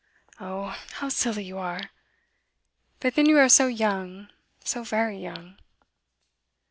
Oh, how silly you are! But then you are so young, so very young.